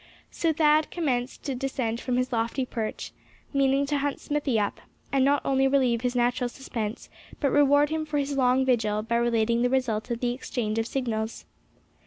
So Thad commenced to descend from his lofty perch, meaning to hunt Smithy up, and not only relieve his natural suspense, but reward him for his long vigil by relating the result of the exchange of signals.